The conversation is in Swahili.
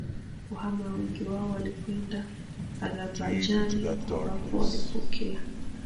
kuhama Wengi wao walikwenda Azabajani ambapo walipokea